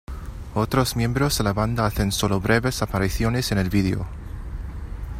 Otros miembros de la banda hacen solo breves apariciones en el video.